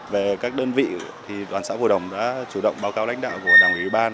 về các đơn vị thì đoàn xã hội đồng đã chủ động báo cáo lãnh đạo của đảng ủy ban